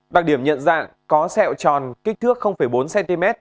đặc điểm nhận dạng có sẹo tròn kích thước bốn cm